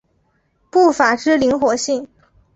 步法之灵活性。